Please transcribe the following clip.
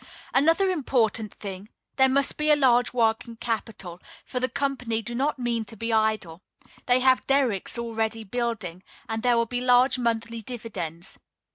Another important thing: there must be a large working capital, for the company do not mean to be idle. They have derricks already building; and there will be large monthly dividends.